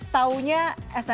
taunya sbm ptn